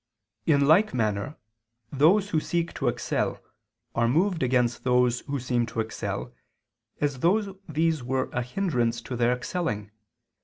In like manner those who seek to excel, are moved against those who seem to excel, as though these were a hindrance to their excelling.